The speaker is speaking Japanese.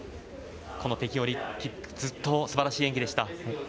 この北京オリンピックずっとすばらしい演技でした。